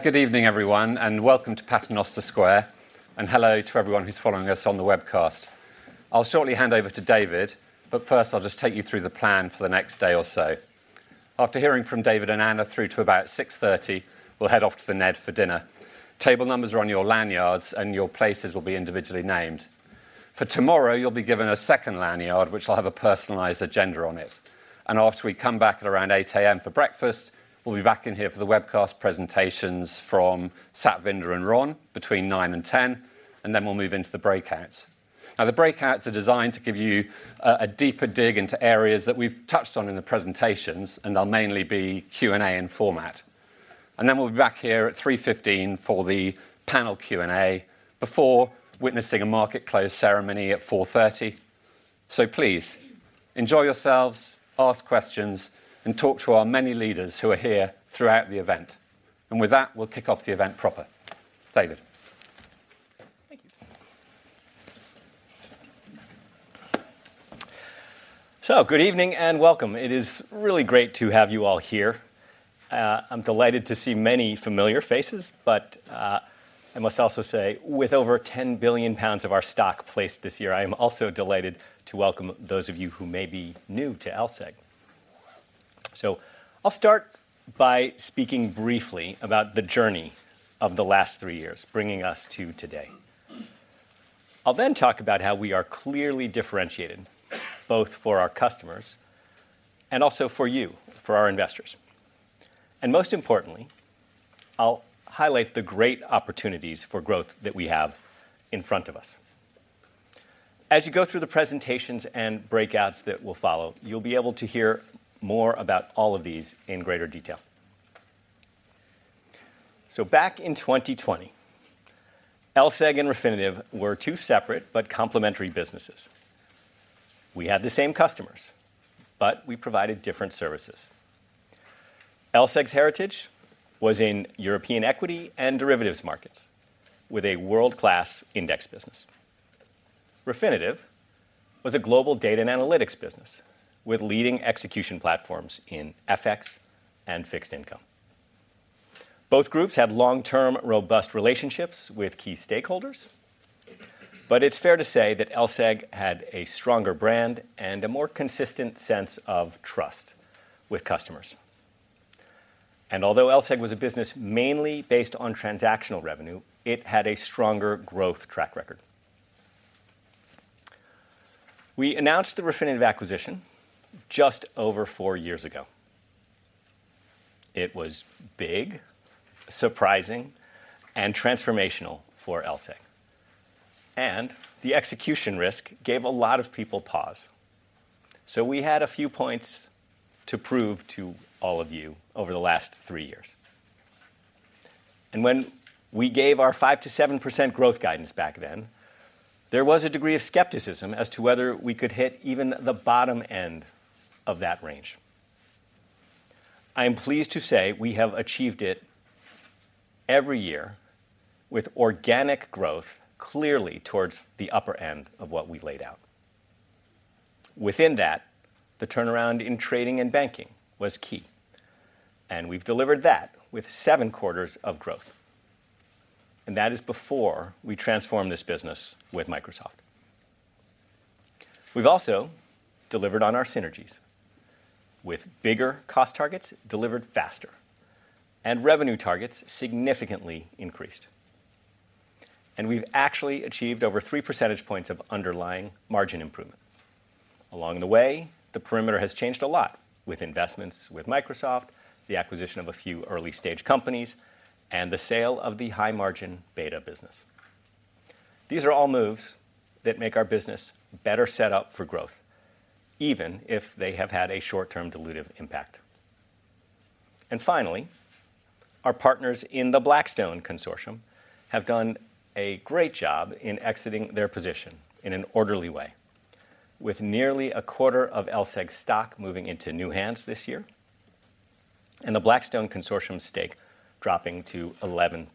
Good evening everyone, and welcome to Paternoster Square. Hello to everyone who's following us on the webcast. I'll shortly hand over to David, but first I'll just take you through the plan for the next day or so. After hearing from David and Anna through to about 6:30 P.M., we'll head off to The Ned for dinner. Table numbers are on your lanyards, and your places will be individually named. For tomorrow, you'll be given a second lanyard, which will have a personalized agenda on it. After we come back at around 8:00 A.M. for breakfast, we'll be back in here for the webcast presentations from Satvinder and Ron between 9:00 A.M. and 10:00 A.M., and then we'll move into the breakouts. Now, the breakouts are designed to give you a deeper dig into areas that we've touched on in the presentations, and they'll mainly be Q&A in format. Then we'll be back here at 3:15 P.M. for the panel Q&A, before witnessing a market close ceremony at 4:30 P.M. Please, enjoy yourselves, ask questions, and talk to our many leaders who are here throughout the event. With that, we'll kick off the event proper. David. Thank you. So good evening and welcome. It is really great to have you all here. I'm delighted to see many familiar faces, but, I must also say, with over 10 billion pounds of our stock placed this year, I am also delighted to welcome those of you who may be new to LSEG. So I'll start by speaking briefly about the journey of the last three years, bringing us to today. I'll then talk about how we are clearly differentiated, both for our customers and also for you, for our investors. And most importantly, I'll highlight the great opportunities for growth that we have in front of us. As you go through the presentations and breakouts that will follow, you'll be able to hear more about all of these in greater detail. So back in 2020, LSEG and Refinitiv were two separate but complementary businesses. We had the same customers, but we provided different services. LSEG's heritage was in European equity and derivatives markets, with a world-class index business. Refinitiv was a global data and analytics business with leading execution platforms in FX and fixed income. Both groups had long-term, robust relationships with key stakeholders, but it's fair to say that LSEG had a stronger brand and a more consistent sense of trust with customers. Although LSEG was a business mainly based on transactional revenue, it had a stronger growth track record. We announced the Refinitiv acquisition just over four years ago. It was big, surprising, and transformational for LSEG, and the execution risk gave a lot of people pause. We had a few points to prove to all of you over the last three years. When we gave our 5%-7% growth guidance back then, there was a degree of skepticism as to whether we could hit even the bottom end of that range. I am pleased to say we have achieved it every year with organic growth, clearly towards the upper end of what we laid out. Within that, the turnaround in trading and banking was key, and we've delivered that with seven quarters of growth. That is before we transformed this business with Microsoft. We've also delivered on our synergies, with bigger cost targets delivered faster and revenue targets significantly increased. We've actually achieved over three percentage points of underlying margin improvement. Along the way, the perimeter has changed a lot, with investments with Microsoft, the acquisition of a few early-stage companies, and the sale of the high-margin Beta business. These are all moves that make our business better set up for growth, even if they have had a short-term dilutive impact. And finally, our partners in the Blackstone consortium have done a great job in exiting their position in an orderly way, with nearly a quarter of LSEG's stock moving into new hands this year, and the Blackstone consortium stake dropping to 11%.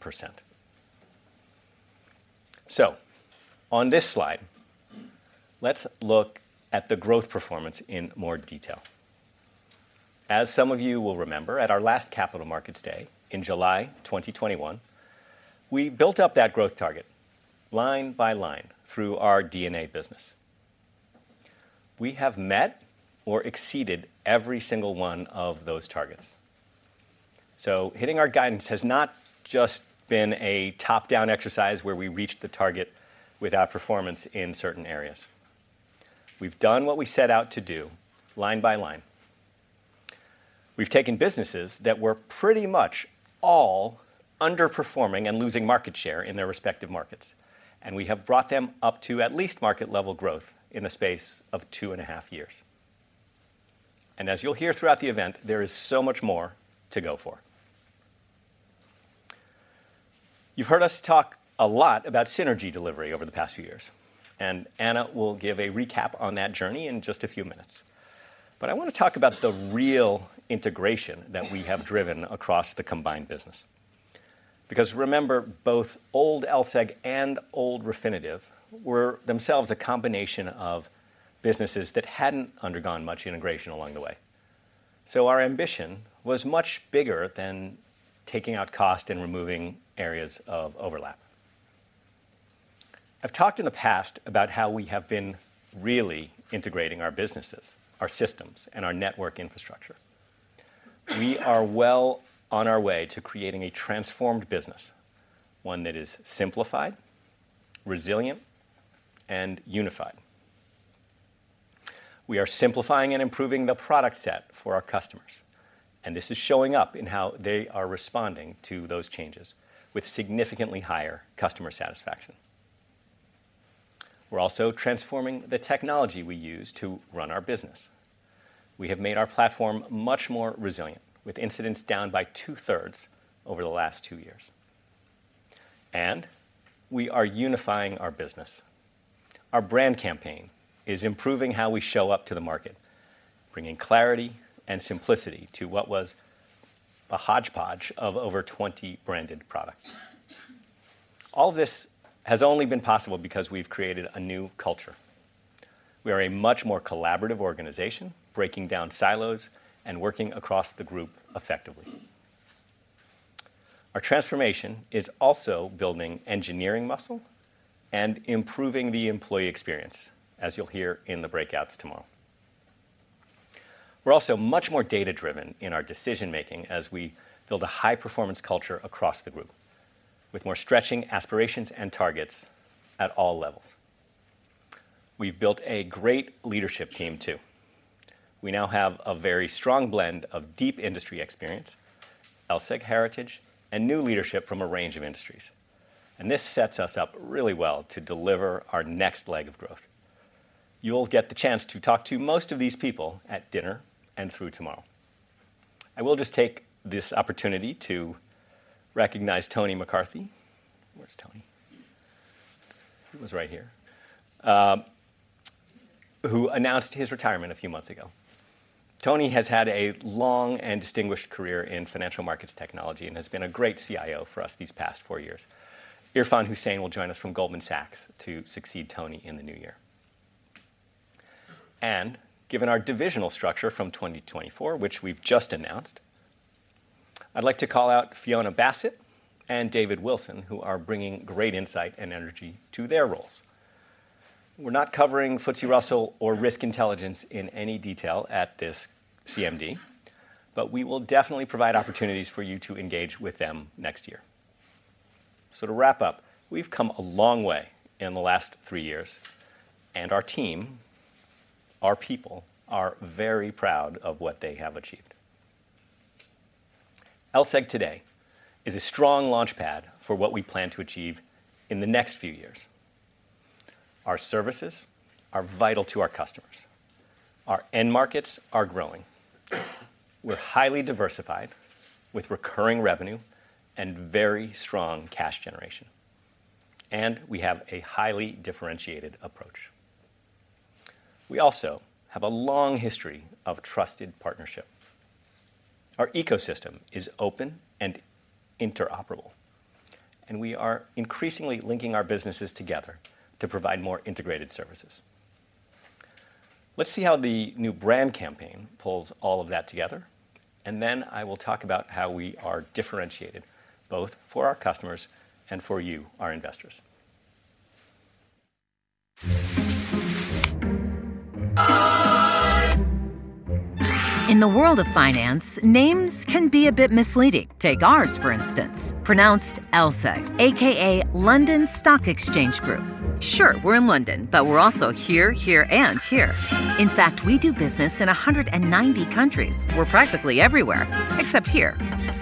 So on this slide, let's look at the growth performance in more detail. As some of you will remember, at our last Capital Markets Day in July 2021, we built up that growth target line by line through our D&A business. We have met or exceeded every single one of those targets. So hitting our guidance has not just been a top-down exercise where we reached the target with our performance in certain areas. We've done what we set out to do line by line. We've taken businesses that were pretty much all underperforming and losing market share in their respective markets, and we have brought them up to at least market-level growth in the space of 2.5 years. As you'll hear throughout the event, there is so much more to go for. you've heard us talk a lot about synergy delivery over the past few years, and Anna will give a recap on that journey in just a few minutes. I want to talk about the real integration that we have driven across the combined business, because remember, both old LSEG and old Refinitiv were themselves a combination of businesses that hadn't undergone much integration along the way. Our ambition was much bigger than taking out cost and removing areas of overlap. I've talked in the past about how we have been really integrating our businesses, our systems, and our network infrastructure. We are well on our way to creating a transformed business, one that is simplified, resilient, and unified. We are simplifying and improving the product set for our customers, and this is showing up in how they are responding to those changes, with significantly higher customer satisfaction. We're also transforming the technology we use to run our business. We have made our platform much more resilient, with incidents down by two-thirds over the last two years. And we are unifying our business. Our brand campaign is improving how we show up to the market, bringing clarity and simplicity to what was a hodgepodge of over 20 branded products. All of this has only been possible because we've created a new culture. We are a much more collaborative organization, breaking down silos and working across the group effectively. Our transformation is also building engineering muscle and improving the employee experience, as you'll hear in the breakouts tomorrow. We're also much more data-driven in our decision-making as we build a high-performance culture across the group, with more stretching aspirations and targets at all levels. We've built a great leadership team, too. We now have a very strong blend of deep industry experience, LSEG heritage, and new leadership from a range of industries, and this sets us up really well to deliver our next leg of growth. you'll get the chance to talk to most of these people at dinner and through tomorrow. I will just take this opportunity to recognize Tony McCarthy. Where's Tony? He was right here, who announced his retirement a few months ago. Tony has had a long and distinguished career in financial markets technology and has been a great CIO for us these past four years. Irfan Hussain will join us from Goldman Sachs to succeed Tony in the new year. Given our divisional structure from 2024, which we've just announced, I'd like to call out Fiona Bassett and David Wilson, who are bringing great insight and energy to their roles. We're not covering FTSE Russell or Risk Intelligence in any detail at this CMD, but we will definitely provide opportunities for you to engage with them next year. To wrap up, we've come a long way in the last three years, and our team, our people, are very proud of what they have achieved. LSEG today is a strong launchpad for what we plan to achieve in the next few years. Our services are vital to our customers. Our end markets are growing. We're highly diversified, with recurring revenue and very strong cash generation, and we have a highly differentiated approach. We also have a long history of trusted partnership. Our ecosystem is open and interoperable, and we are increasingly linking our businesses together to provide more integrated services. Let's see how the new brand campaign pulls all of that together, and then I will talk about how we are differentiated, both for our customers and for you, our investors. In the world of finance, names can be a bit misleading. Take ours, for instance, pronounced LSEG, aka London Stock Exchange Group. Sure, we're in London, but we're also here, here, and here. In fact, we do business in 190 countries. We're practically everywhere, except here.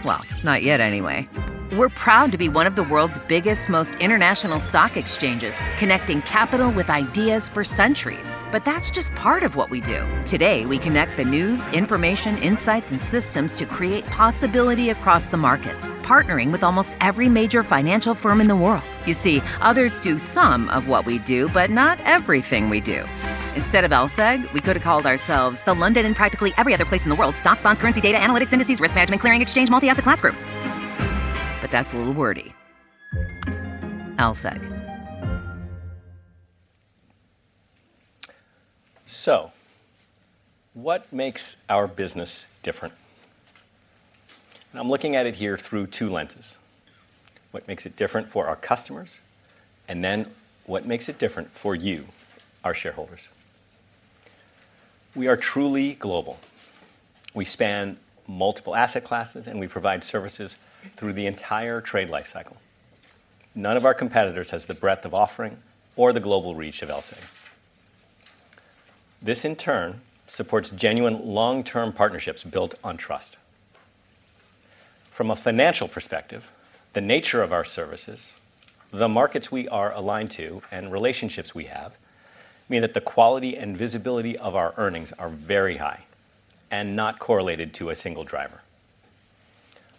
Well, not yet, anyway. We're proud to be one of the world's biggest, most international stock exchanges, connecting capital with ideas for centuries. But that's just part of what we do. Today, we connect the news, information, insights, and systems to create possibility across the markets, partnering with almost every major financial firm in the world. you see, others do some of what we do, but not everything we do. Instead of LSEG, we could have called ourselves the London and Practically Every Other Place in the World Stock, Bonds, Currency, Data, Analytics, Indices, Risk Management, Clearing, Exchange, Multi-Asset Class Group. But that's a little wordy. LSEG. So what makes our business different? I'm looking at it here through two lenses. What makes it different for our customers, and then what makes it different for you, our shareholders? We are truly global. We span multiple asset classes, and we provide services through the entire trade life cycle. None of our competitors has the breadth of offering or the global reach of LSEG. This, in turn, supports genuine long-term partnerships built on trust. From a financial perspective, the nature of our services, the markets we are aligned to, and relationships we have mean that the quality and visibility of our earnings are very high and not correlated to a single driver.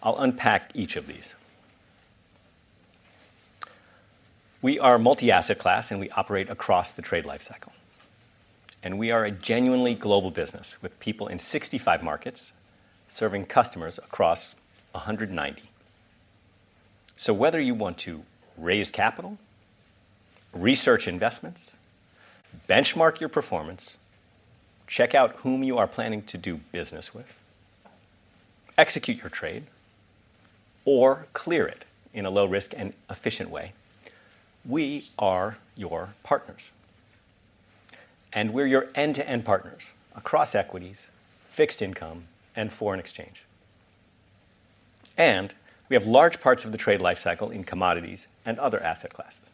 I'll unpack each of these. We are multi-asset class, and we operate across the trade life cycle. We are a genuinely global business, with people in 65 markets, serving customers across 190.... So whether you want to raise capital, research investments, benchmark your performance, check out whom you are planning to do business with, execute your trade, or clear it in a low-risk and efficient way, we are your partners. And we're your end-to-end partners across equities, fixed income, and foreign exchange. And we have large parts of the trade life cycle in commodities and other asset classes.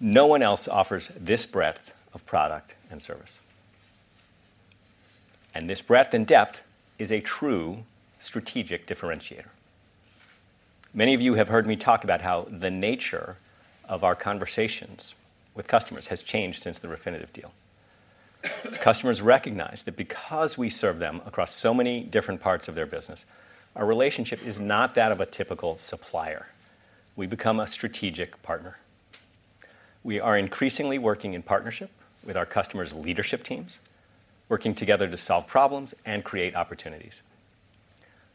No one else offers this breadth of product and service, and this breadth and depth is a true strategic differentiator. Many of you have heard me talk about how the nature of our conversations with customers has changed since the Refinitiv deal. Customers recognize that because we serve them across so many different parts of their business, our relationship is not that of a typical supplier. We've become a strategic partner. We are increasingly working in partnership with our customers' leadership teams, working together to solve problems and create opportunities.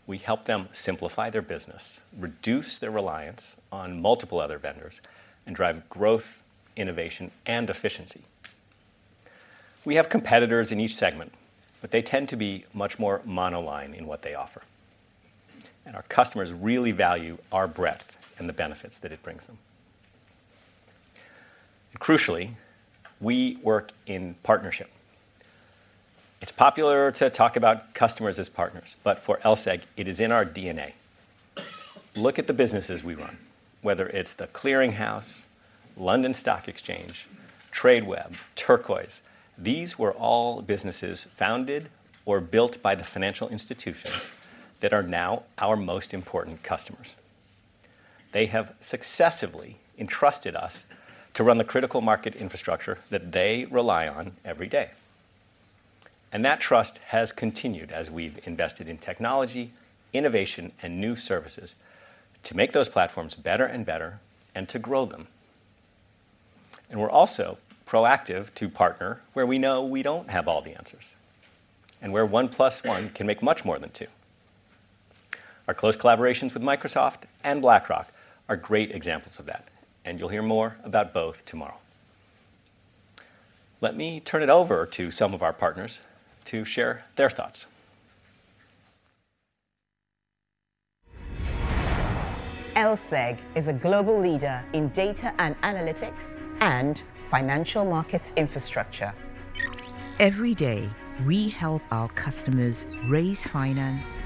We help them simplify their business, reduce their reliance on multiple other vendors, and drive growth, innovation, and efficiency. We have competitors in each segment, but they tend to be much more monoline in what they offer, and our customers really value our breadth and the benefits that it brings them. Crucially, we work in partnership. It's popular to talk about customers as partners, but for LSEG, it is in our DNA. Look at the businesses we run, whether it's the Clearing House, London Stock Exchange, Tradeweb, Turquoise, these were all businesses founded or built by the financial institutions that are now our most important customers. They have successively entrusted us to run the critical market infrastructure that they rely on every day, and that trust has continued as we've invested in technology, innovation, and new services to make those platforms better and better, and to grow them. We're also proactive to partner where we know we don't have all the answers, and where one plus one can make much more than two. Our close collaborations with Microsoft and BlackRock are great examples of that, and you'll hear more about both tomorrow. Let me turn it over to some of our partners to share their thoughts. LSEG is a global leader in data and analytics and financial markets infrastructure. Every day, we help our customers raise finance,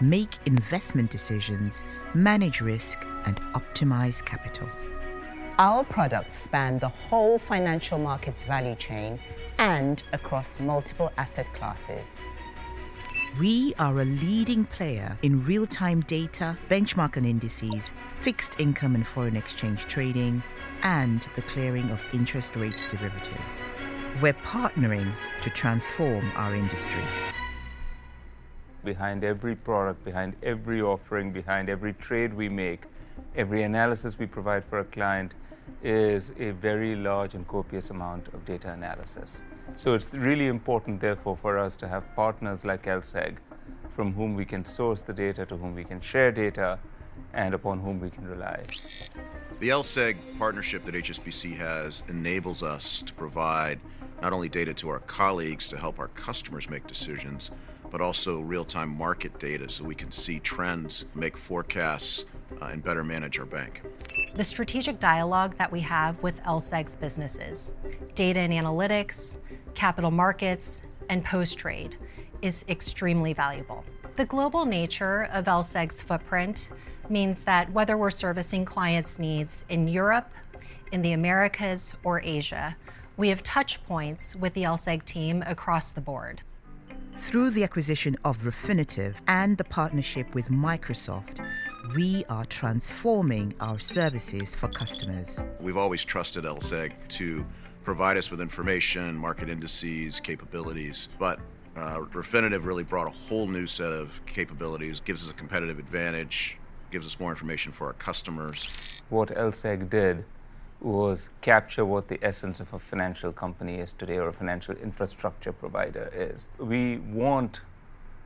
make investment decisions, manage risk, and optimize capital. Our products span the whole financial markets value chain and across multiple asset classes. We are a leading player in real-time data, benchmark and indices, fixed income and foreign exchange trading, and the clearing of interest rate derivatives. We're partnering to transform our industry. Behind every product, behind every offering, behind every trade we make, every analysis we provide for a client, is a very large and copious amount of data analysis. So it's really important, therefore, for us to have partners like LSEG, from whom we can source the data, to whom we can share data, and upon whom we can rely. The LSEG partnership that HSBC has enables us to provide not only data to our colleagues to help our customers make decisions, but also real-time market data, so we can see trends, make forecasts, and better manage our bank. The strategic dialogue that we have with LSEG's businesses, Data and Analytics, Capital Markets, and Post Trade, is extremely valuable. The global nature of LSEG's footprint means that whether we're servicing clients' needs in Europe, in the Americas, or Asia, we have touch points with the LSEG team across the board. Through the acquisition of Refinitiv and the partnership with Microsoft, we are transforming our services for customers. We've always trusted LSEG to provide us with information, market indices, capabilities. But, Refinitiv really brought a whole new set of capabilities, gives us a competitive advantage, gives us more information for our customers. What LSEG did was capture what the essence of a financial company is today, or a financial infrastructure provider is. We want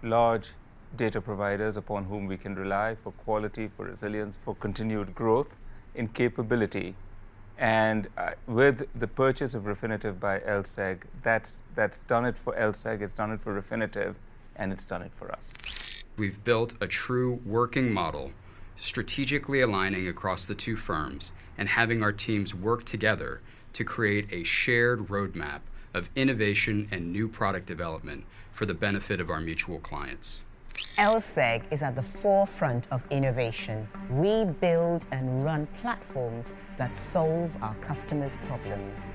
large data providers upon whom we can rely for quality, for resilience, for continued growth in capability. With the purchase of Refinitiv by LSEG, that's, that's done it for LSEG, it's done it for Refinitiv, and it's done it for us. We've built a true working model, strategically aligning across the two firms and having our teams work together to create a shared roadmap of innovation and new product development for the benefit of our mutual clients. LSEG is at the forefront of innovation. We build and run platforms that solve our customers' problems.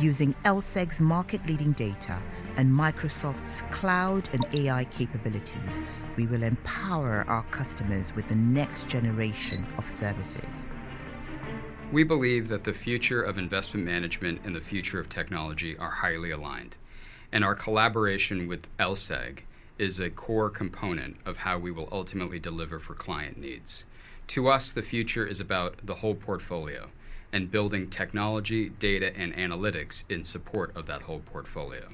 Using LSEG's market-leading data and Microsoft's cloud and AI capabilities, we will empower our customers with the next generation of services. We believe that the future of investment management and the future of technology are highly aligned, and our collaboration with LSEG is a core component of how we will ultimately deliver for client needs. To us, the future is about the whole portfolio and building technology, data, and analytics in support of that whole portfolio.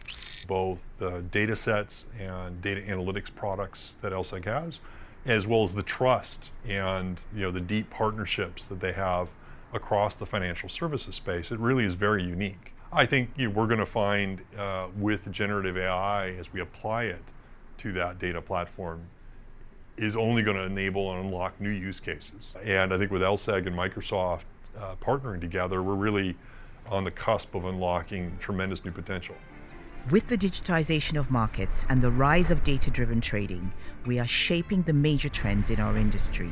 Both the datasets and data analytics products that LSEG has, as well as the trust and, you know, the deep partnerships that they have across the financial services space, it really is very unique. I think we're gonna find, with Generative AI, as we apply it to that data platform, is only gonna enable and unlock new use cases. And I think with LSEG and Microsoft, partnering together, we're really on the cusp of unlocking tremendous new potential. With the digitization of markets and the rise of data-driven trading, we are shaping the major trends in our industry.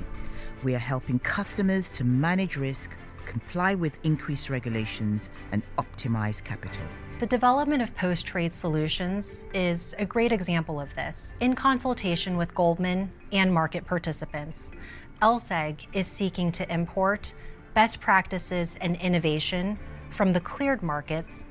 We are helping customers to manage risk, comply with increased regulations, and optimize capital. The development of Post Trade Solutions is a great example of this. In consultation with Goldman and market participants, LSEG is seeking to import best practices and innovation from the cleared markets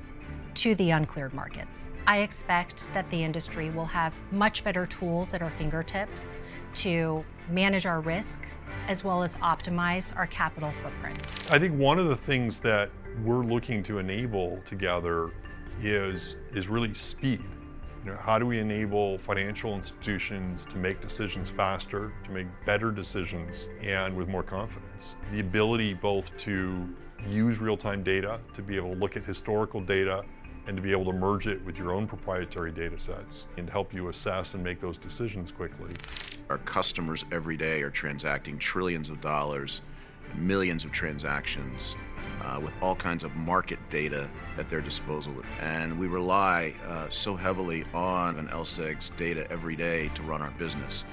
to the uncleared markets. I expect that the industry will have much better tools at our fingertips to manage our risk, as well as optimize our capital footprint. I think one of the things that we're looking to enable together is really speed. you know, how do we enable financial institutions to make decisions faster, to make better decisions, and with more confidence? The ability both to use real-time data, to be able to look at historical data, and to be able to merge it with your own proprietary data sets and help you assess and make those decisions quickly. Our customers every day are transacting $trillions, millions of transactions, with all kinds of market data at their disposal. And we rely so heavily on an LSEG's data every day to run our business.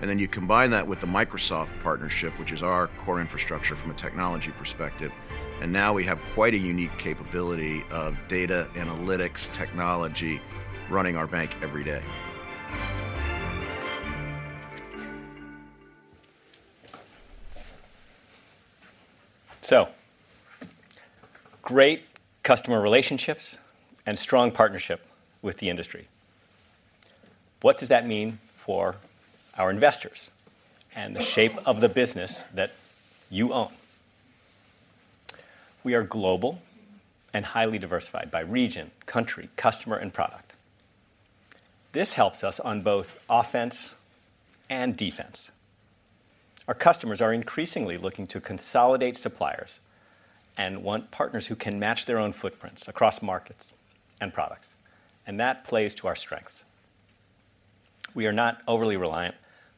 And then you combine that with the Microsoft partnership, which is our core infrastructure from a technology perspective, and now we have quite a unique capability of data analytics technology running our bank every day. So great customer relationships and strong partnership with the industry. What does that mean for our investors and the shape of the business that you own? We are global and highly diversified by region, country, customer, and product. This helps us on both offense and defense. Our customers are increasingly looking to consolidate suppliers and want partners who can match their own footprints across markets and products, and that plays to our strengths. We are not overly reliant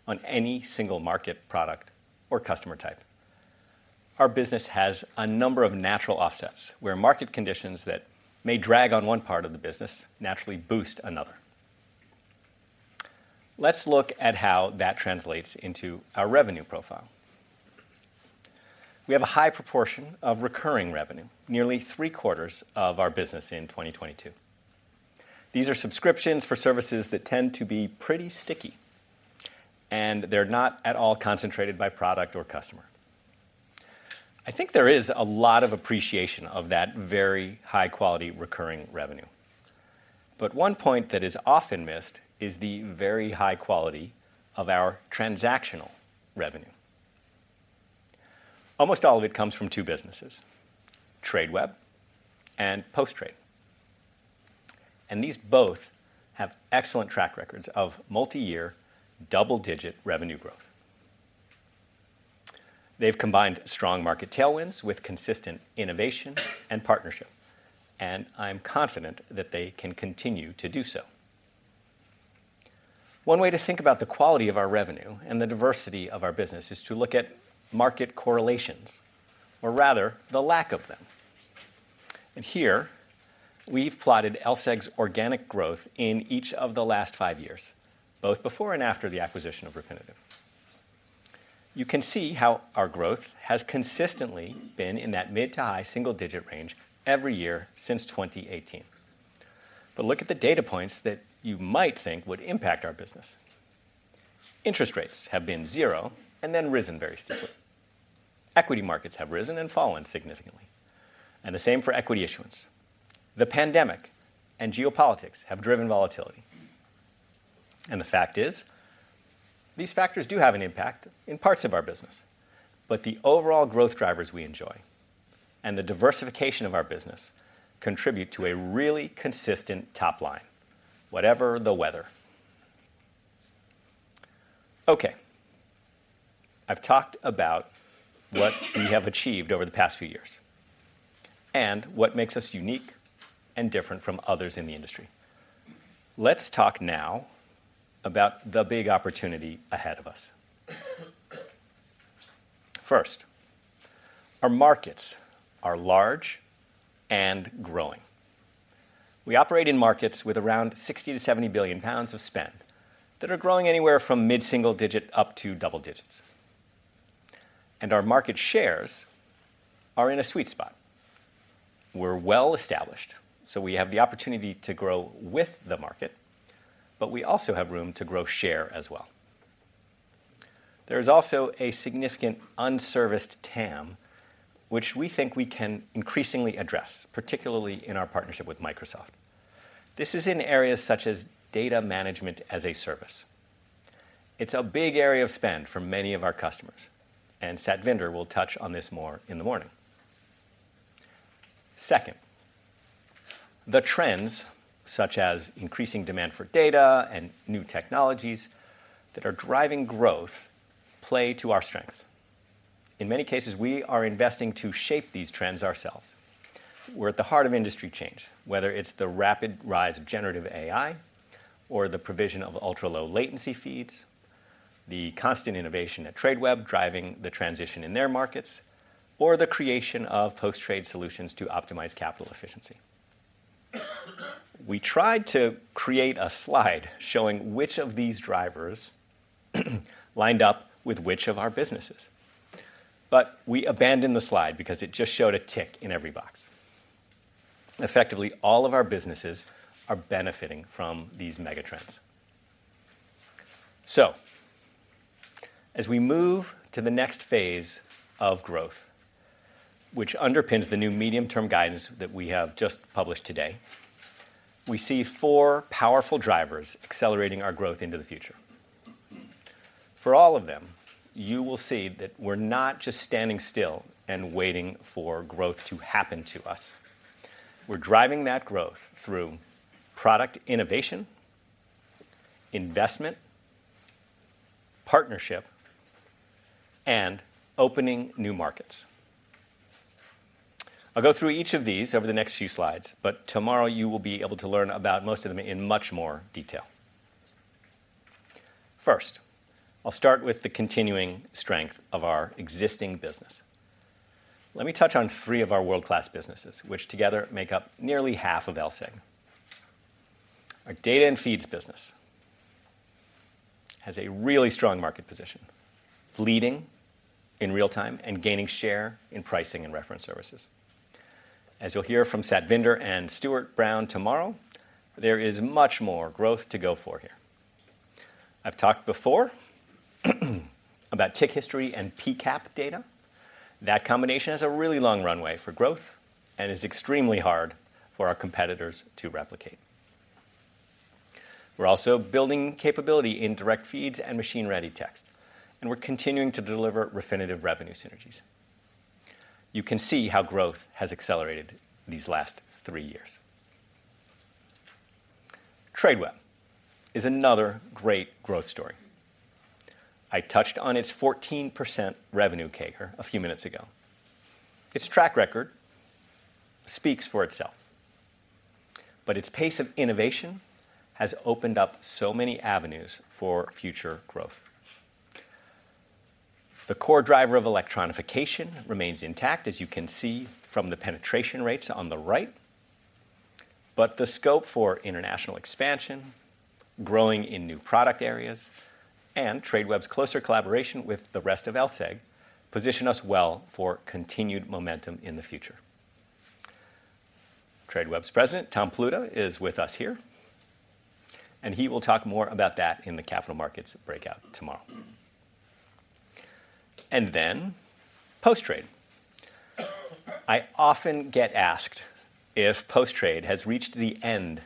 on any single market, product, or customer type. Our business has a number of natural offsets, where market conditions that may drag on one part of the business naturally boost another. Let's look at how that translates into our revenue profile. We have a high proportion of recurring revenue, nearly three-quarters of our business in 2022. These are subscriptions for services that tend to be pretty sticky, and they're not at all concentrated by product or customer. I think there is a lot of appreciation of that very high-quality, recurring revenue. But one point that is often missed is the very high quality of our transactional revenue. Almost all of it comes from two businesses, Tradeweb and Post Trade, and these both have excellent track records of multi-year, double-digit revenue growth. They've combined strong market tailwinds with consistent innovation and partnership, and I'm confident that they can continue to do so. One way to think about the quality of our revenue and the diversity of our business is to look at market correlations, or rather, the lack of them. Here, we've plotted LSEG's organic growth in each of the last five years, both before and after the acquisition of Refinitiv. you can see how our growth has consistently been in that mid to high single digit range every year since 2018. But look at the data points that you might think would impact our business. Interest rates have been zero and then risen very steeply. Equity markets have risen and fallen significantly, and the same for equity issuance. The pandemic and geopolitics have driven volatility, and the fact is, these factors do have an impact in parts of our business. But the overall growth drivers we enjoy and the diversification of our business contribute to a really consistent top line, whatever the weather. Okay, I've talked about what we have achieved over the past few years and what makes us unique and different from others in the industry. Let's talk now about the big opportunity ahead of us. First, our markets are large and growing. We operate in markets with around 60 billion-70 billion pounds of spend that are growing anywhere from mid-single digit up to double digits, and our market shares are in a sweet spot. We're well established, so we have the opportunity to grow with the market, but we also have room to grow share as well. There is also a significant unserviced TAM, which we think we can increasingly address, particularly in our partnership with Microsoft. This is in areas such as data management as a service. It's a big area of spend for many of our customers, and Satvinder will touch on this more in the morning. Second, the trends, such as increasing demand for data and new technologies that are driving growth, play to our strengths. In many cases, we are investing to shape these trends ourselves. We're at the heart of industry change, whether it's the rapid rise of generative AI or the provision of ultra-low latency feeds, the constant innovation at Tradeweb driving the transition in their markets, or the creation of post-trade solutions to optimize capital efficiency. We tried to create a slide showing which of these drivers lined up with which of our businesses, but we abandoned the slide because it just showed a tick in every box. Effectively, all of our businesses are benefiting from these mega trends. So as we move to the next phase of growth, which underpins the new medium-term guidance that we have just published today, we see four powerful drivers accelerating our growth into the future. For all of them, you will see that we're not just standing still and waiting for growth to happen to us. We're driving that growth through product innovation, investment, partnership, and opening new markets. I'll go through each of these over the next few slides, but tomorrow you will be able to learn about most of them in much more detail. First, I'll start with the continuing strength of our existing business. Let me touch on three of our world-class businesses, which together make up nearly half of LSEG. Our data and feeds business has a really strong market position, leading in real time and gaining share in pricing and reference services. As you'll hear from Satvinder and Stuart Brown tomorrow, there is much more growth to go for here. I've talked before about tick history and PCAP data. That combination has a really long runway for growth and is extremely hard for our competitors to replicate. We're also building capability in direct feeds and machine-ready text, and we're continuing to deliver Refinitiv revenue synergies. you can see how growth has accelerated these last three years. Tradeweb is another great growth story. I touched on its 14% revenue CAGR a few minutes ago. Its track record speaks for itself, but its pace of innovation has opened up so many avenues for future growth. The core driver of electronification remains intact, as you can see from the penetration rates on the right, but the scope for international expansion, growing in new product areas, and Tradeweb's closer collaboration with the rest of LSEG position us well for continued momentum in the future. Tradeweb's president, Tom Pluta, is with us here, and he will talk more about that in the capital markets breakout tomorrow. And then Post Trade. I often get asked if Post Trade has reached the end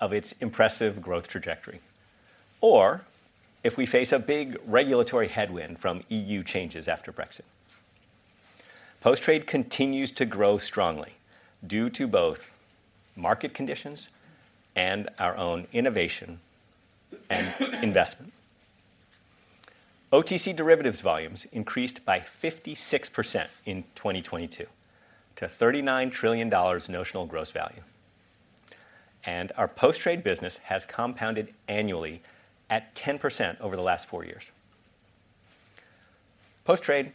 of its impressive growth trajectory, or if we face a big regulatory headwind from EU changes after Brexit. Post Trade continues to grow strongly due to both market conditions and our own innovation and investment. OTC derivatives volumes increased by 56% in 2022 to $39 trillion notional gross value, and our Post Trade business has compounded annually at 10% over the last four years. Post Trade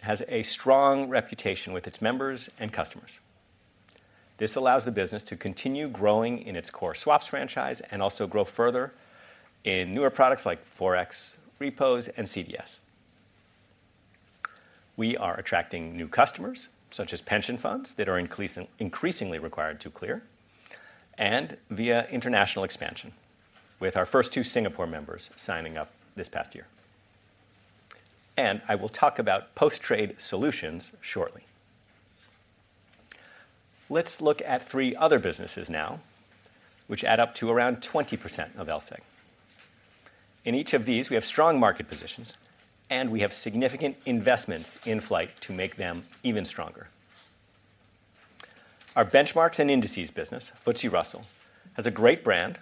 has a strong reputation with its members and customers. This allows the business to continue growing in its core swaps franchise and also grow further in newer products like forex, repos, and CDS. We are attracting new customers, such as pension funds, that are increasingly required to clear, and via international expansion, with our first two Singapore members signing up this past year. I will talk about Post Trade Solutions shortly. Let's look at three other businesses now, which add up to around 20% of LSEG. In each of these, we have strong market positions, and we have significant investments in flight to make them even stronger. Our benchmarks and indices business, FTSE Russell, has a great brand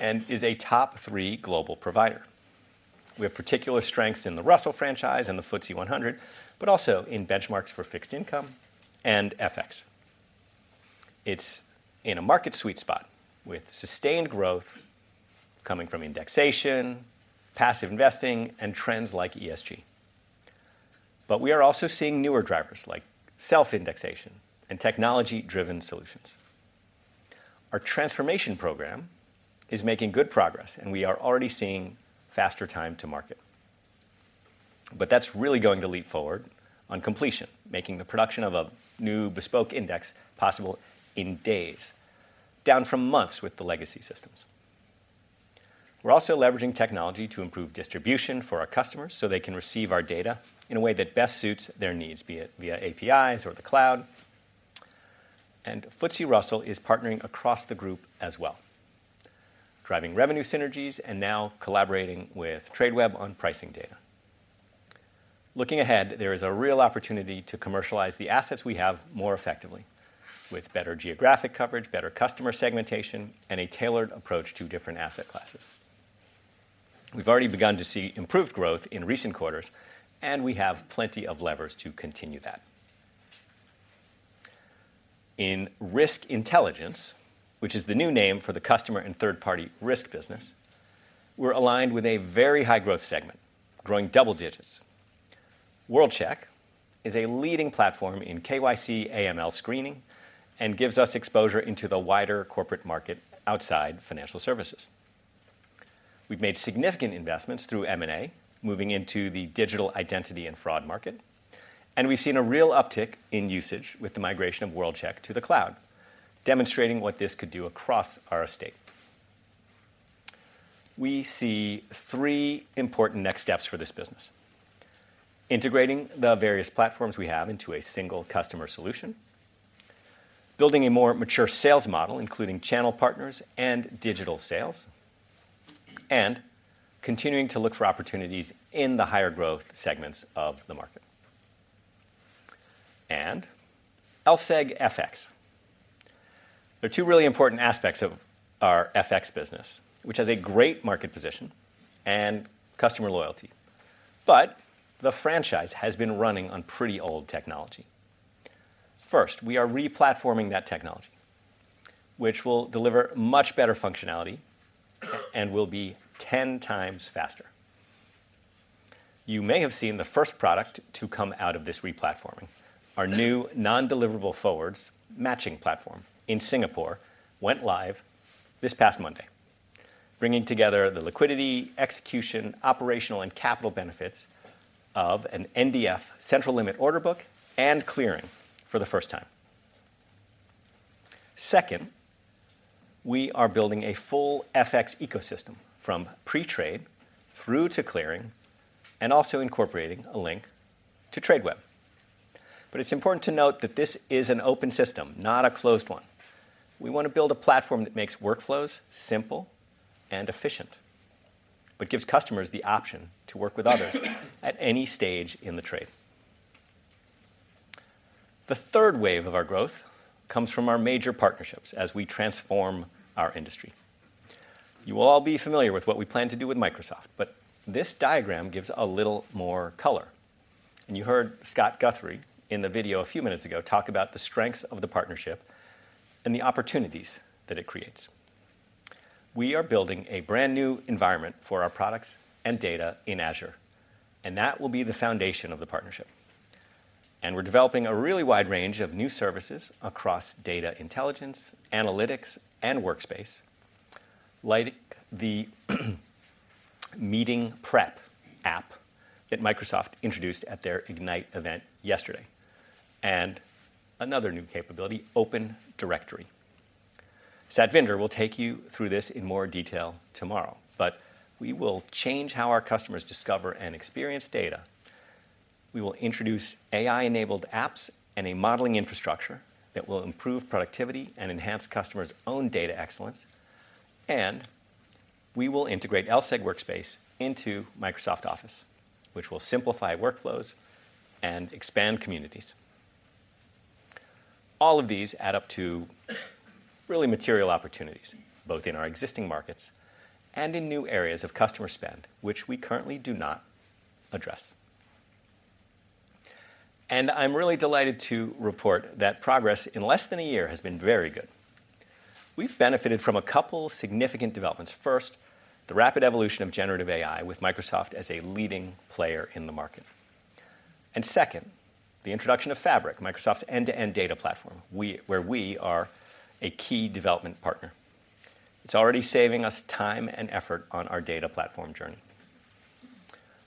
and is a top three global provider. We have particular strengths in the Russell franchise and the FTSE 100, but also in benchmarks for fixed income and FX. It's in a market sweet spot, with sustained growth coming from indexation, passive investing, and trends like ESG. But we are also seeing newer drivers like self-indexation and technology-driven solutions. Our transformation program is making good progress, and we are already seeing faster time to market. But that's really going to leap forward on completion, making the production of a new bespoke index possible in days, down from months with the legacy systems. We're also leveraging technology to improve distribution for our customers, so they can receive our data in a way that best suits their needs, be it via APIs or the cloud. And FTSE Russell is partnering across the group as well, driving revenue synergies and now collaborating with Tradeweb on pricing data. Looking ahead, there is a real opportunity to commercialize the assets we have more effectively, with better geographic coverage, better customer segmentation, and a tailored approach to different asset classes. We've already begun to see improved growth in recent quarters, and we have plenty of levers to continue that. In Risk Intelligence, which is the new name for the customer and third-party risk business, we're aligned with a very high-growth segment, growing double digits. World-Check is a leading platform in KYC/AML screening and gives us exposure into the wider corporate market outside financial services. We've made significant investments through M&A, moving into the digital identity and fraud market, and we've seen a real uptick in usage with the migration of World-Check to the cloud, demonstrating what this could do across our estate. We see three important next steps for this business: integrating the various platforms we have into a single customer solution, building a more mature sales model, including channel partners and digital sales, and continuing to look for opportunities in the higher growth segments of the market. And LSEG FX. There are two really important aspects of our FX business, which has a great market position and customer loyalty, but the franchise has been running on pretty old technology. First, we are re-platforming that technology, which will deliver much better functionality and will be ten times faster. you may have seen the first product to come out of this re-platforming. Our new non-deliverable forwards matching platform in Singapore went live this past Monday, bringing together the liquidity, execution, operational, and capital benefits of an NDF Central Limit Order Book and clearing for the first time. Second, we are building a full FX ecosystem, from pre-trade through to clearing, and also incorporating a link to Tradeweb. But it's important to note that this is an open system, not a closed one. We want to build a platform that makes workflows simple and efficient, but gives customers the option to work with others at any stage in the trade. The third wave of our growth comes from our major partnerships as we transform our industry. you will all be familiar with what we plan to do with Microsoft, but this diagram gives a little more color. you heard Scott Guthrie in the video a few minutes ago, talk about the strengths of the partnership and the opportunities that it creates. We are building a brand-new environment for our products and data in Azure, and that will be the foundation of the partnership. We're developing a really wide range of new services across data intelligence, analytics, and Workspace, like the Meeting Prep app that Microsoft introduced at their Ignite event yesterday, and another new capability, Open Directory. Satvinder will take you through this in more detail tomorrow, but we will change how our customers discover and experience data. We will introduce AI-enabled apps and a modeling infrastructure that will improve productivity and enhance customers' own data excellence, and we will integrate LSEG Workspace into Microsoft Office, which will simplify workflows and expand communities. All of these add up to really material opportunities, both in our existing markets and in new areas of customer spend, which we currently do not address. And I'm really delighted to report that progress in less than a year has been very good. We've benefited from a couple significant developments. First, the rapid evolution of generative AI, with Microsoft as a leading player in the market. And second, the introduction of Fabric, Microsoft's end-to-end data platform, where we are a key development partner. It's already saving us time and effort on our data platform journey.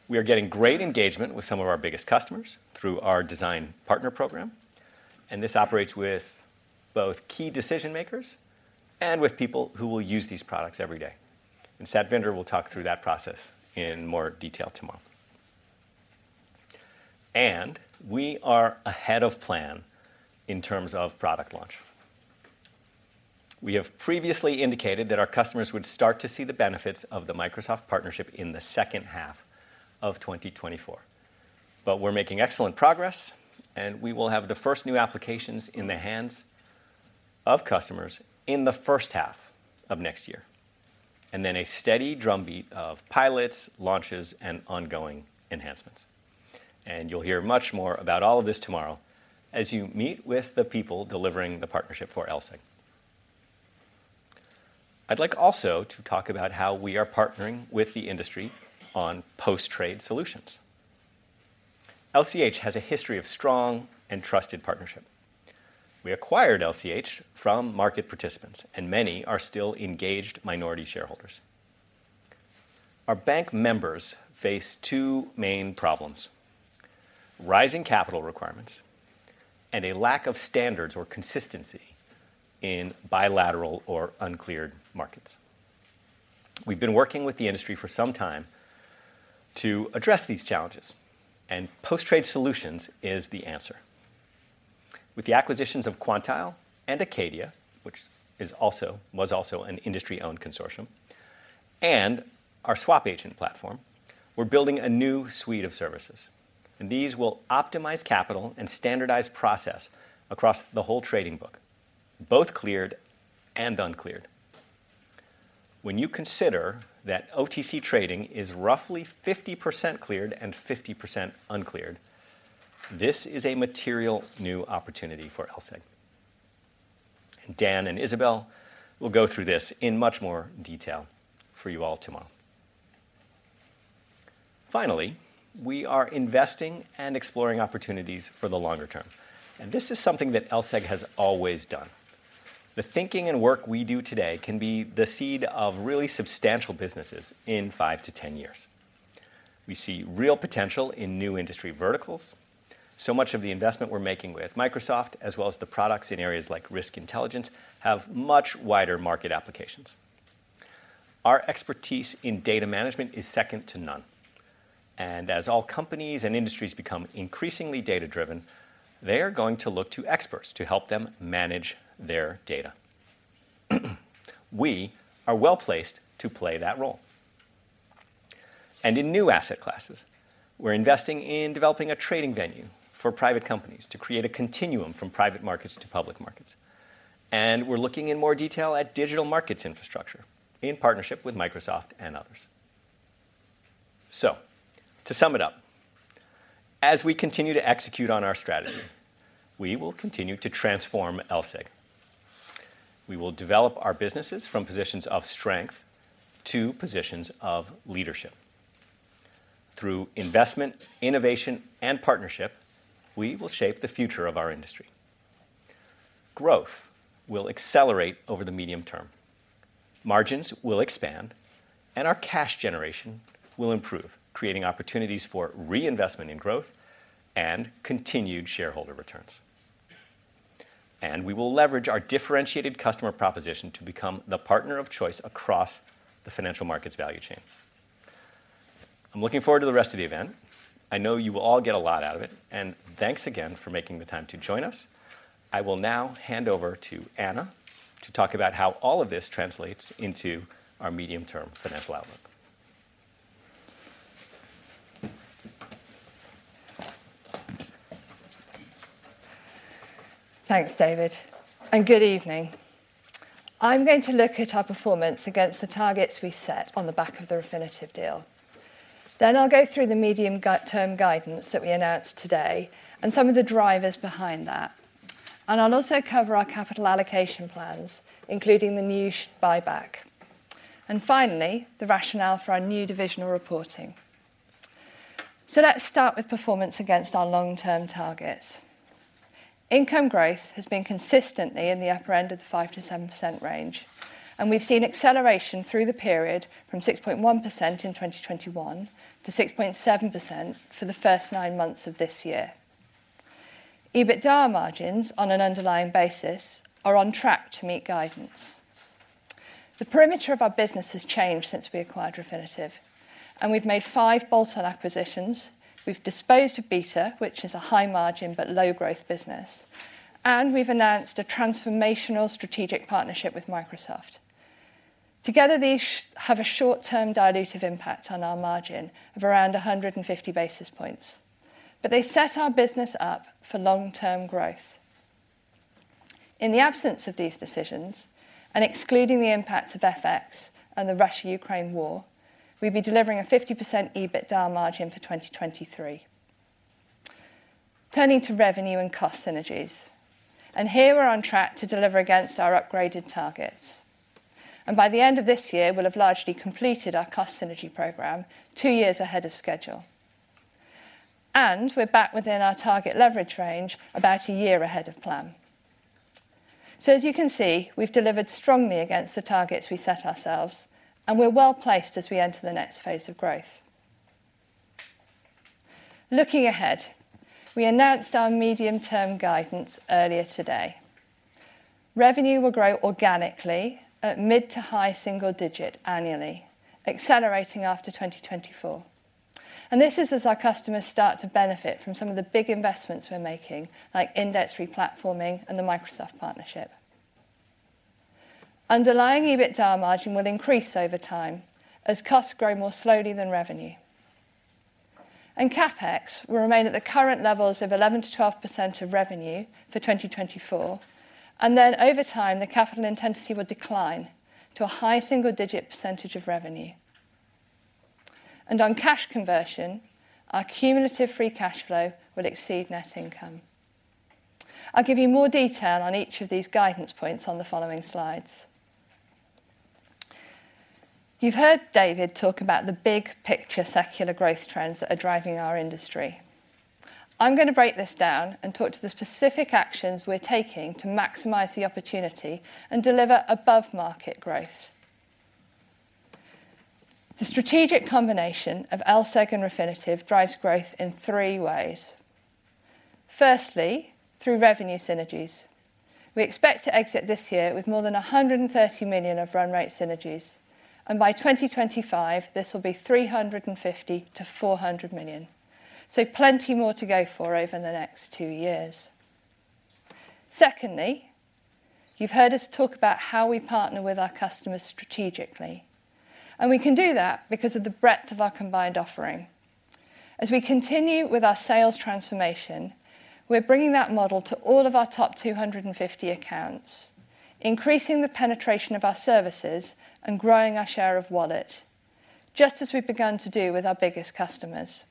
We are getting great engagement with some of our biggest customers through our Design Partner Program, and this operates with both key decision-makers and with people who will use these products every day. Satvinder will talk through that process in more detail tomorrow. We are ahead of plan in terms of product launch. We have previously indicated that our customers would start to see the benefits of the Microsoft partnership in the second half of 2024, but we're making excellent progress, and we will have the first new applications in the hands of customers in the first half of next year, and then a steady drumbeat of pilots, launches, and ongoing enhancements. you'll hear much more about all of this tomorrow as you meet with the people delivering the partnership for LSEG. I'd like also to talk about how we are partnering with the industry on post-trade solutions. LCH has a history of strong and trusted partnership. We acquired LCH from market participants, and many are still engaged minority shareholders. Our bank members face two main problems: rising capital requirements and a lack of standards or consistency in bilateral or uncleared markets. We've been working with the industry for some time to address these challenges, and post-trade solutions is the answer. With the acquisitions of Quantile and Acadia, which was also an industry-owned consortium, and our SwapAgent platform, we're building a new suite of services. These will optimize capital and standardize process across the whole trading book, both cleared and uncleared. When you consider that OTC trading is roughly 50% cleared and 50% uncleared, this is a material new opportunity for LSEG. Dan and Isabelle will go through this in much more detail for you all tomorrow. Finally, we are investing and exploring opportunities for the longer term, and this is something that LSEG has always done. The thinking and work we do today can be the seed of really substantial businesses in 5-10 years. We see real potential in new industry verticals. So much of the investment we're making with Microsoft, as well as the products in areas like Risk Intelligence, have much wider market applications. Our expertise in data management is second to none, and as all companies and industries become increasingly data-driven, they are going to look to experts to help them manage their data. We are well-placed to play that role. In new asset classes, we're investing in developing a trading venue for private companies to create a continuum from private markets to public markets. We're looking in more detail at digital markets infrastructure in partnership with Microsoft and others. To sum it up, as we continue to execute on our strategy, we will continue to transform LSEG. We will develop our businesses from positions of strength to positions of leadership. Through investment, innovation, and partnership, we will shape the future of our industry. Growth will accelerate over the medium term. Margins will expand, and our cash generation will improve, creating opportunities for reinvestment in growth and continued shareholder returns. We will leverage our differentiated customer proposition to become the partner of choice across the financial markets value chain. I'm looking forward to the rest of the event. I know you will all get a lot out of it, and thanks again for making the time to join us. I will now hand over to Anna to talk about how all of this translates into our medium-term financial outlook. Thanks, David, and good evening. I'm going to look at our performance against the targets we set on the back of the Refinitiv deal. Then I'll go through the medium-term guidance that we announced today and some of the drivers behind that. And I'll also cover our capital allocation plans, including the new share buyback, and finally, the rationale for our new divisional reporting. So let's start with performance against our long-term targets. Income growth has been consistently in the upper end of the 5%-7% range, and we've seen acceleration through the period from 6.1% in 2021 to 6.7% for the first nine months of this year. EBITDA margins on an underlying basis are on track to meet guidance. The perimeter of our business has changed since we acquired Refinitiv, and we've made five bolt-on acquisitions. We've disposed of Beta, which is a high-margin but low-growth business, and we've announced a transformational strategic partnership with Microsoft. Together, these have a short-term dilutive impact on our margin of around 150 basis points, but they set our business up for long-term growth. In the absence of these decisions, and excluding the impacts of FX and the Russia-Ukraine war, we'd be delivering a 50% EBITDA margin for 2023. Turning to revenue and cost synergies, and here we're on track to deliver against our upgraded targets. By the end of this year, we'll have largely completed our cost synergy program two years ahead of schedule. We're back within our target leverage range, about a year ahead of plan. So as you can see, we've delivered strongly against the targets we set ourselves, and we're well-placed as we enter the next phase of growth. Looking ahead, we announced our medium-term guidance earlier today. Revenue will grow organically at mid- to high-single-digit annually, accelerating after 2024. This is as our customers start to benefit from some of the big investments we're making, like index replatforming and the Microsoft partnership. Underlying EBITDA margin will increase over time as costs grow more slowly than revenue. CapEx will remain at the current levels of 11%-12% of revenue for 2024, and then over time, the capital intensity will decline to a high-single-digit % of revenue. On cash conversion, our cumulative free cash flow will exceed net income. I'll give you more detail on each of these guidance points on the following slides. you've heard David talk about the big picture secular growth trends that are driving our industry. I'm gonna break this down and talk to the specific actions we're taking to maximize the opportunity and deliver above-market growth. The strategic combination of LSEG and Refinitiv drives growth in three ways. Firstly, through revenue synergies. We expect to exit this year with more than 130 million of run rate synergies, and by 2025, this will be 350-400 million. So plenty more to go for over the next two years. Secondly, you've heard us talk about how we partner with our customers strategically, and we can do that because of the breadth of our combined offering. As we continue with our sales transformation, we're bringing that model to all of our top 250 accounts, increasing the penetration of our services and growing our share of wallet, just as we've begun to do with our biggest customers.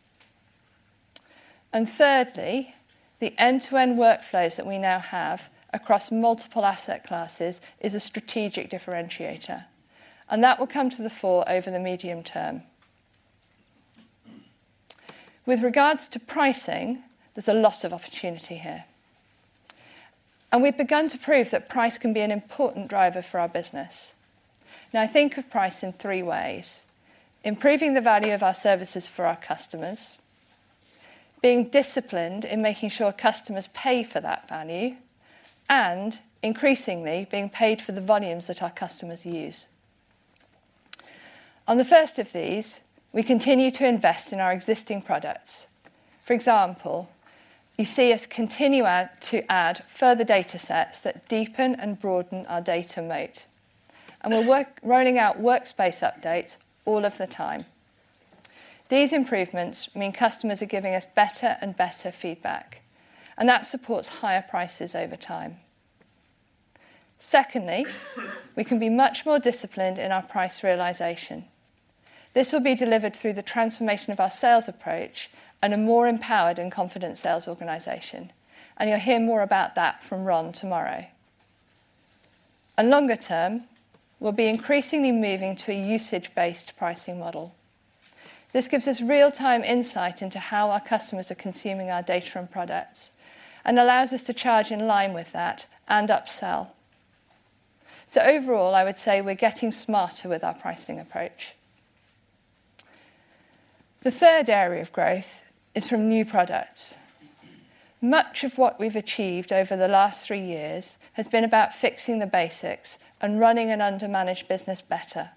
Thirdly, the end-to-end workflows that we now have across multiple asset classes is a strategic differentiator, and that will come to the fore over the medium term. With regards to pricing, there's a lot of opportunity here, and we've begun to prove that price can be an important driver for our business. Now, I think of price in three ways: improving the value of our services for our customers, being disciplined in making sure customers pay for that value, and increasingly, being paid for the volumes that our customers use. On the first of these, we continue to invest in our existing products. For example, you see us continue to add further datasets that deepen and broaden our data moat. And we're rolling out workspace updates all of the time. These improvements mean customers are giving us better and better feedback, and that supports higher prices over time. Secondly, we can be much more disciplined in our price realization. This will be delivered through the transformation of our sales approach and a more empowered and confident sales organization, and you'll hear more about that from Ron tomorrow. And longer term, we'll be increasingly moving to a usage-based pricing model. This gives us real-time insight into how our customers are consuming our data and products, and allows us to charge in line with that and upsell. So overall, I would say we're getting smarter with our pricing approach. The third area of growth is from new products. Much of what we've achieved over the last three years has been about fixing the basics and running an under-managed business better.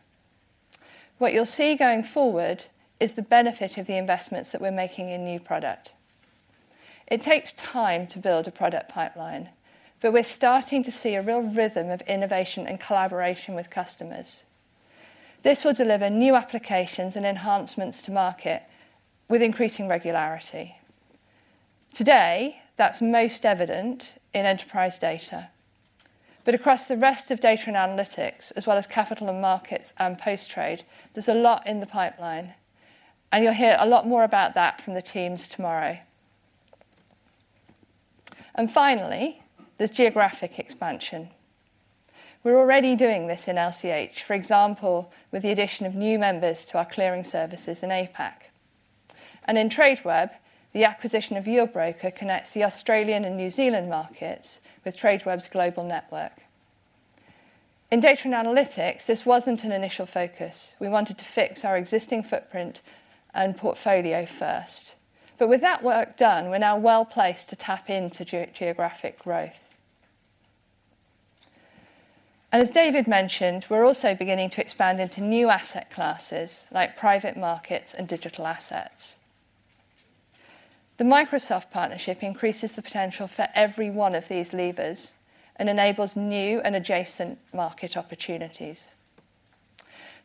What you'll see going forward is the benefit of the investments that we're making in new product. It takes time to build a product pipeline, but we're starting to see a real rhythm of innovation and collaboration with customers. This will deliver new applications and enhancements to market with increasing regularity. Today, that's most evident in enterprise data. But across the rest of Data and Analytics, as well as Capital Markets and Post Trade, there's a lot in the pipeline, and you'll hear a lot more about that from the teams tomorrow. And finally, there's geographic expansion. We're already doing this in LCH, for example, with the addition of new members to our clearing services in APAC. And in Tradeweb, the acquisition of Yieldbroker connects the Australian and New Zealand markets with Tradeweb's global network. In Data and Analytics, this wasn't an initial focus. We wanted to fix our existing footprint and portfolio first. But with that work done, we're now well-placed to tap into geographic growth. As David mentioned, we're also beginning to expand into new asset classes, like private markets and digital assets. The Microsoft partnership increases the potential for every one of these levers and enables new and adjacent market opportunities.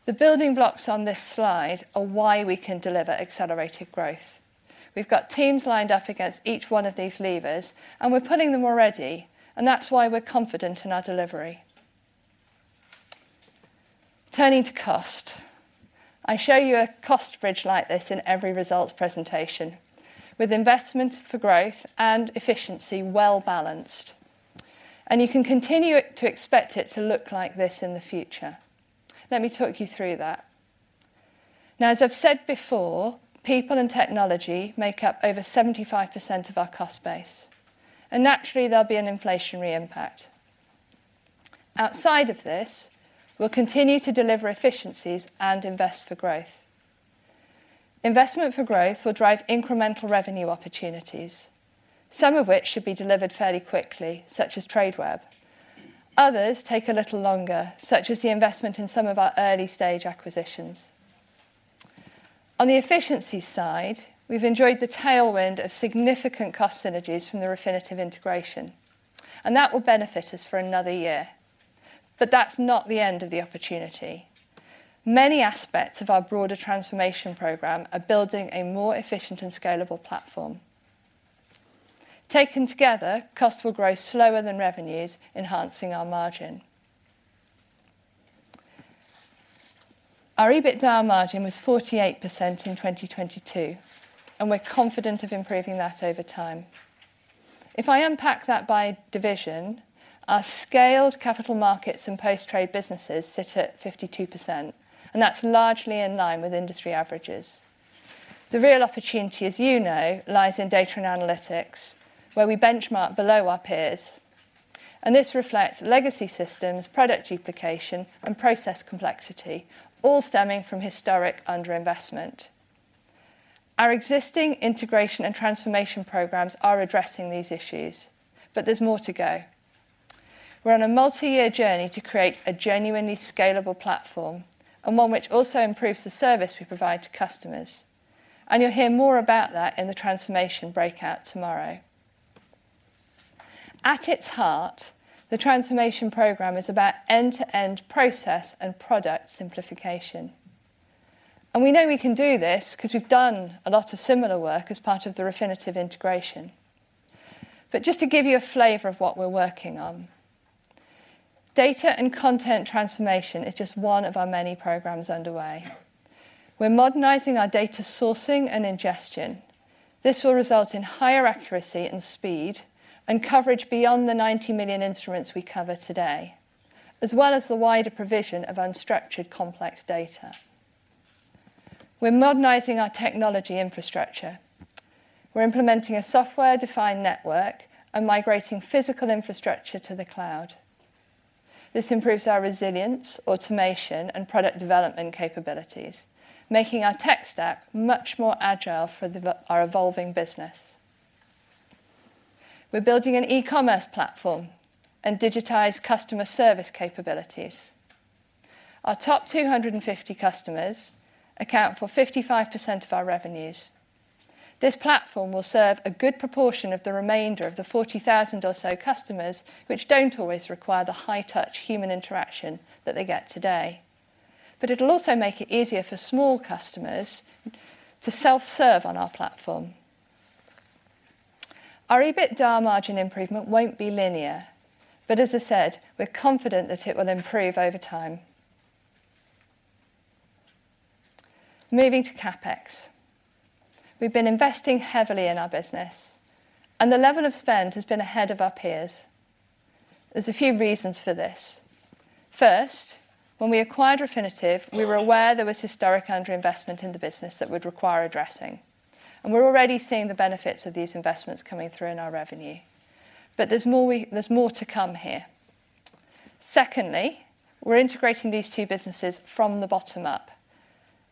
The building blocks on this slide are why we can deliver accelerated growth. We've got teams lined up against each one of these levers, and we're putting them already, and that's why we're confident in our delivery. Turning to cost. I show you a cost bridge like this in every results presentation, with investment for growth and efficiency well-balanced, and you can continue to expect it to look like this in the future. Let me talk you through that. Now, as I've said before, people and technology make up over 75% of our cost base, and naturally, there'll be an inflationary impact. Outside of this, we'll continue to deliver efficiencies and invest for growth. Investment for growth will drive incremental revenue opportunities, some of which should be delivered fairly quickly, such as Tradeweb. Others take a little longer, such as the investment in some of our early-stage acquisitions. On the efficiency side, we've enjoyed the tailwind of significant cost synergies from the Refinitiv integration, and that will benefit us for another year. But that's not the end of the opportunity. Many aspects of our broader transformation program are building a more efficient and scalable platform. Taken together, costs will grow slower than revenues, enhancing our margin. Our EBITDA margin was 48% in 2022, and we're confident of improving that over time. If I unpack that by division, our scaled capital markets and post-trade businesses sit at 52%, and that's largely in line with industry averages. The real opportunity, as you know, lies in data and analytics, where we benchmark below our peers, and this reflects legacy systems, product duplication, and process complexity, all stemming from historic underinvestment. Our existing integration and transformation programs are addressing these issues, but there's more to go. We're on a multi-year journey to create a genuinely scalable platform, and one which also improves the service we provide to customers, and you'll hear more about that in the transformation breakout tomorrow. At its heart, the transformation program is about end-to-end process and product simplification, and we know we can do this 'cause we've done a lot of similar work as part of the Refinitiv integration. But just to give you a flavor of what we're working on, data and content transformation is just one of our many programs underway. We're modernizing our data sourcing and ingestion. This will result in higher accuracy and speed, and coverage beyond the 90 million instruments we cover today, as well as the wider provision of unstructured, complex data. We're modernizing our technology infrastructure. We're implementing a software-defined network and migrating physical infrastructure to the cloud. This improves our resilience, automation, and product development capabilities, making our tech stack much more agile for our evolving business. We're building an e-commerce platform and digitize customer service capabilities. Our top 250 customers account for 55% of our revenues. This platform will serve a good proportion of the remainder of the 40,000 or so customers, which don't always require the high-touch human interaction that they get today. But it'll also make it easier for small customers to self-serve on our platform. Our EBITDA margin improvement won't be linear, but as I said, we're confident that it will improve over time. Moving to CapEx. We've been investing heavily in our business, and the level of spend has been ahead of our peers. There's a few reasons for this. First, when we acquired Refinitiv, we were aware there was historic underinvestment in the business that would require addressing, and we're already seeing the benefits of these investments coming through in our revenue. But there's more to come here. Secondly, we're integrating these two businesses from the bottom up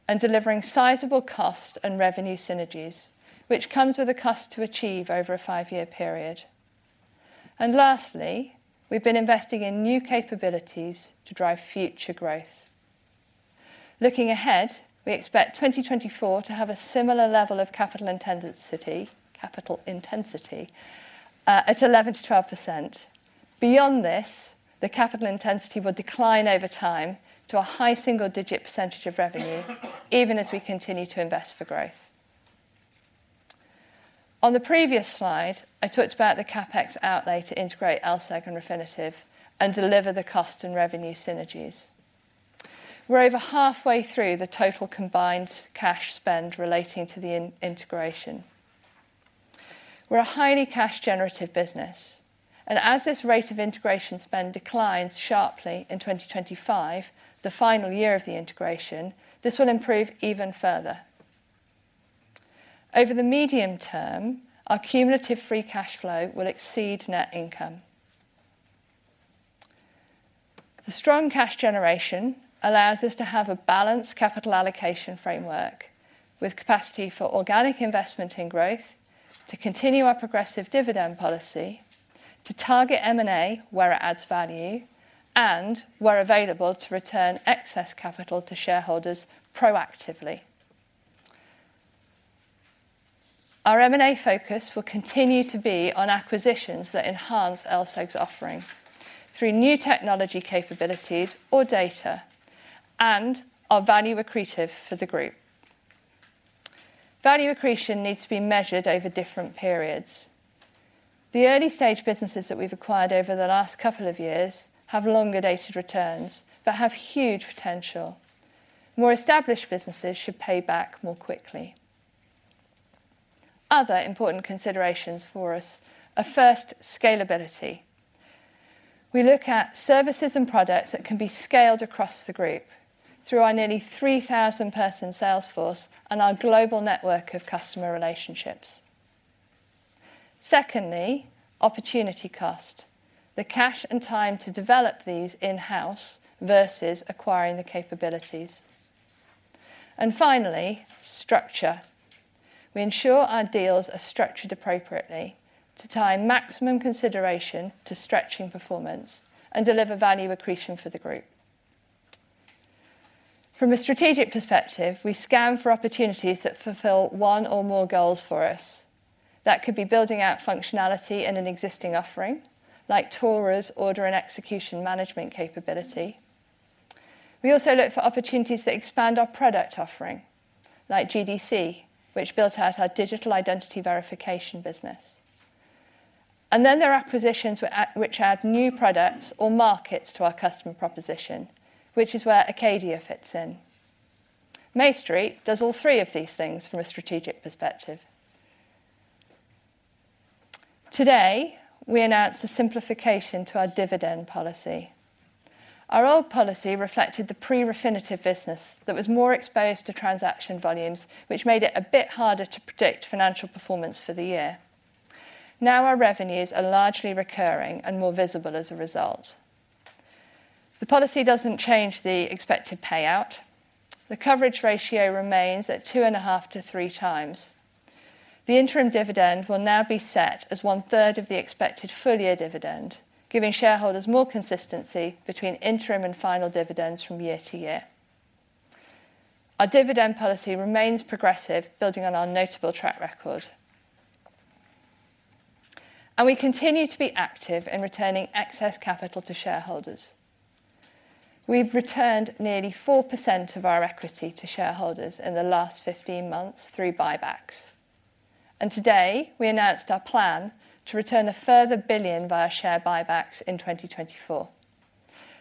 and delivering sizable cost and revenue synergies, which comes with a cost to achieve over a five-year period. And lastly, we've been investing in new capabilities to drive future growth. Looking ahead, we expect 2024 to have a similar level of capital intensity at 11%-12%. Beyond this, the capital intensity will decline over time to a high single-digit percentage of revenue, even as we continue to invest for growth. On the previous slide, I talked about the CapEx outlay to integrate LSEG and Refinitiv and deliver the cost and revenue synergies. We're over halfway through the total combined cash spend relating to the integration. We're a highly cash-generative business, and as this rate of integration spend declines sharply in 2025, the final year of the integration, this will improve even further. Over the medium term, our cumulative free cash flow will exceed net income. The strong cash generation allows us to have a balanced capital allocation framework, with capacity for organic investment in growth, to continue our progressive dividend policy, to target M&A where it adds value, and where available, to return excess capital to shareholders proactively. Our M&A focus will continue to be on acquisitions that enhance LSEG's offering through new technology capabilities or data, and are value accretive for the group. Value accretion needs to be measured over different periods. The early-stage businesses that we've acquired over the last couple of years have longer-dated returns but have huge potential. More established businesses should pay back more quickly. Other important considerations for us are, first, scalability. We look at services and products that can be scaled across the group through our nearly 3,000-person sales force and our global network of customer relationships. Secondly, opportunity cost, the cash and time to develop these in-house versus acquiring the capabilities. And finally, structure. We ensure our deals are structured appropriately to tie maximum consideration to stretching performance and deliver value accretion for the group. From a strategic perspective, we scan for opportunities that fulfill one or more goals for us. That could be building out functionality in an existing offering, like TORA's order and execution management capability. We also look for opportunities that expand our product offering, like GDC, which builds out our digital identity verification business. And then there are acquisitions which add new products or markets to our customer proposition, which is where Acadia fits in. MayStreet does all three of these things from a strategic perspective. Today, we announced a simplification to our dividend policy. Our old policy reflected the pre-Refinitiv business that was more exposed to transaction volumes, which made it a bit harder to predict financial performance for the year. Now, our revenues are largely recurring and more visible as a result. The policy doesn't change the expected payout. The coverage ratio remains at 2.5-3 times. The interim dividend will now be set as one-third of the expected full-year dividend, giving shareholders more consistency between interim and final dividends from year to year. Our dividend policy remains progressive, building on our notable track record. We continue to be active in returning excess capital to shareholders. We've returned nearly 4% of our equity to shareholders in the last 15 months through buybacks. Today, we announced our plan to return a further one billion via share buybacks in 2024.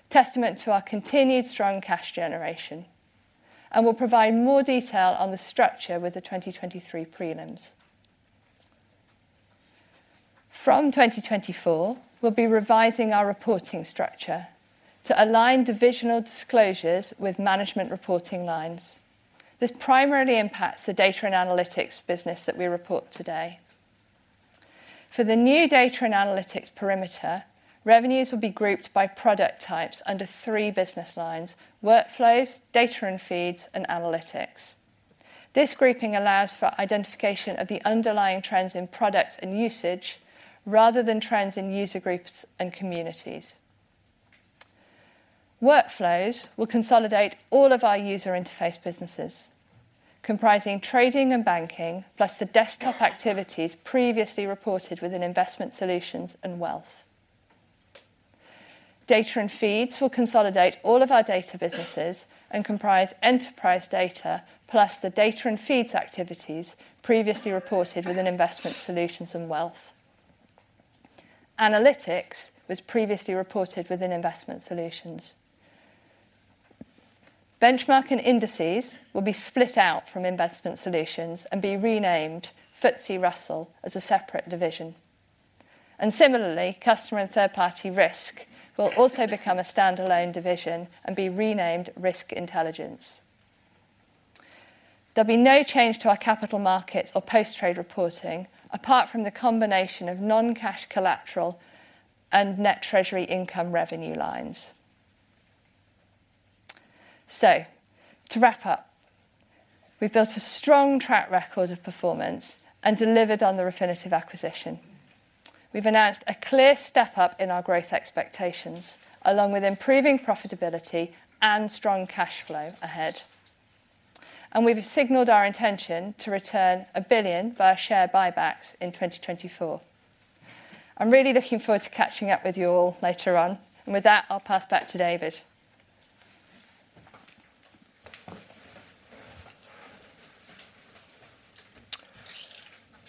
Testament to our continued strong cash generation, and we'll provide more detail on the structure with the 2023 prelims. From 2024, we'll be revising our reporting structure to align divisional disclosures with management reporting lines. This primarily impacts the data and analytics business that we report today. For the new data and analytics perimeter, revenues will be grouped by product types under three business lines: workflows, data and feeds, and analytics. This grouping allows for identification of the underlying trends in products and usage rather than trends in user groups and communities. Workflows will consolidate all of our user interface businesses, comprising trading and banking, plus the desktop activities previously reported within investment solutions and wealth. Data and feeds will consolidate all of our data businesses and comprise enterprise data, plus the data and feeds activities previously reported within investment solutions and wealth. Analytics was previously reported within investment solutions. Benchmark and indices will be split out from investment solutions and be renamed FTSE Russell as a separate division. And similarly, customer and third-party risk will also become a standalone division and be renamed Risk Intelligence. There'll be no change to our capital markets or post-trade reporting, apart from the combination of non-cash collateral and net treasury income revenue lines. So to wrap up, we've built a strong track record of performance and delivered on the Refinitiv acquisition. We've announced a clear step up in our growth expectations, along with improving profitability and strong cash flow ahead. And we've signaled our intention to return one billion via share buybacks in 2024. I'm really looking forward to catching up with you all later on. And with that, I'll pass back to David.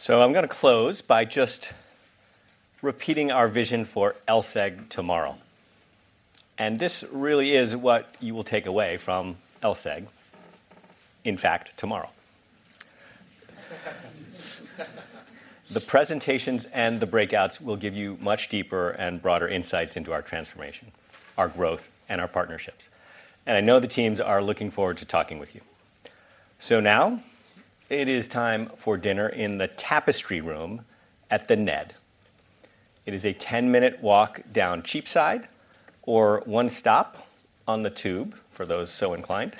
So I'm gonna close by just repeating our vision for LSEG tomorrow. And this really is what you will take away from LSEG, in fact, tomorrow. The presentations and the breakouts will give you much deeper and broader insights into our transformation, our growth, and our partnerships. And I know the teams are looking forward to talking with you. So now, it is time for dinner in the Tapestry Room at The Ned. It is a 10-minute walk down Cheapside or one stop on the tube, for those so inclined,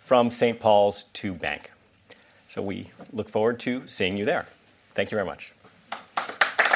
from St. Paul's to Bank. So we look forward to seeing you there. Thank you very much.